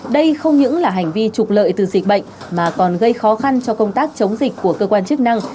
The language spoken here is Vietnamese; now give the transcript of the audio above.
đây không những là hành vi trục lợi từ dịch bệnh mà còn gây khó khăn cho công tác chống dịch của cơ quan chức năng